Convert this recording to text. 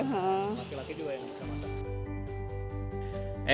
laki laki juga yang bisa masak